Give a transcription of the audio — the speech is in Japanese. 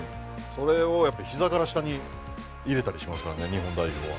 それを膝から下に入れたりしますからね日本代表は。